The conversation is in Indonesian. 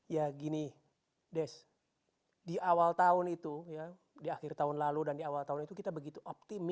ya gini des di awal tahun itu ya di akhir tahun lalu dan di awal tahun itu kita begitu optimis